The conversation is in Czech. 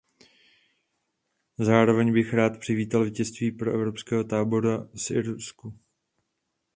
Zároveň bych rád přivítal vítězství proevropského tábora v Irsku.